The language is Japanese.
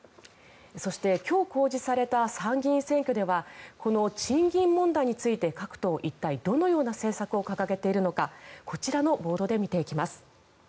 そして、今日公示された参議院選挙ではこの賃金問題について各党、一体どのような政策を掲げているのかこちらのボードで見ていきます。